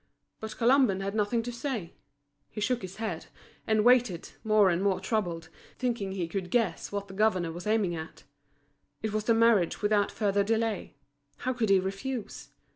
But Colomban had nothing to say. He shook his head, and waited, more and more troubled, thinking he could guess what the governor was aiming at. It was the marriage without further delay. How could he refuse?